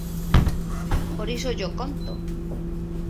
por iso llo conto.